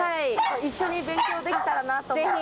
一緒に勉強できたらなと思って。